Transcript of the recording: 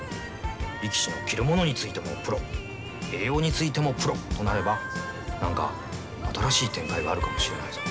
力士の着るものについてもプロ栄養についてもプロとなればなんか新しい展開があるかもしれないぞ。